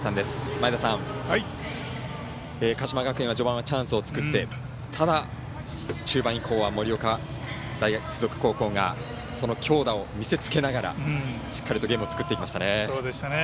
前田さん、鹿島学園は序盤はチャンスを作ってただ中盤以降は盛岡大付属高校がその強打を見せつけながらしっかりとゲームを作っていきましたね。